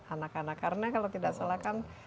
anak anak karena kalau tidak salah kan